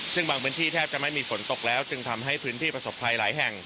ซึ่งบางพื้นที่แทบจะไม่มีฝนตกแล้วจึงทำให้พื้นที่ประสบภัยหลายแห่ง